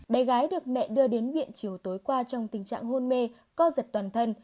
bé gái được mẹ đưa đến viện chiều tối qua trong tình trạng hôn mê co giật toàn thân